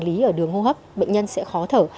thì ở đường hô hấp bệnh nhân sẽ khó thở